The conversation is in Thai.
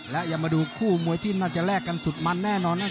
และยังมาดูคู่มวยที่น่าจะแลกกันสุดมันแน่นอนแน่